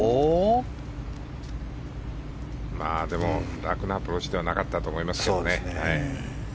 楽なアプローチではなかったと思いますよ。